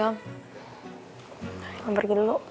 om pergi dulu